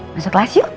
masuk kelas yuk